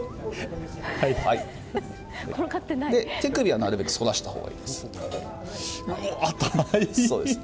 手首はなるべく反らしたほうがいいです。